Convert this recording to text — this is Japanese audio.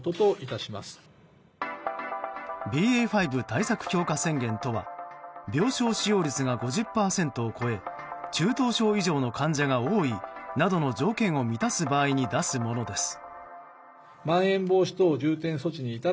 ＢＡ．５対策強化宣言とは病床使用率が５０％を超え中等症以上の患者が多いなどの条件を満たす場合に出すものです。